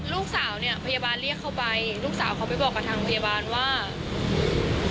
ลูกสาวเนี่ยพยาบาลเรียกเขาไปลูกสาวเขาไปบอกกับทางพยาบาลว่า